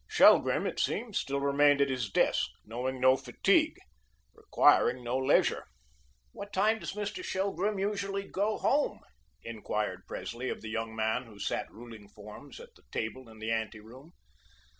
Shelgrim, it seemed, still remained at his desk, knowing no fatigue, requiring no leisure. "What time does Mr. Shelgrim usually go home?" inquired Presley of the young man who sat ruling forms at the table in the ante room.